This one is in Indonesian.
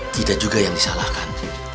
tidak juga yang disalahkan